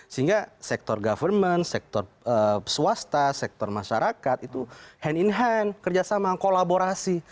sehingga sektor government sektor swasta sektor masyarakat itu hand in hand kerjasama kolaborasi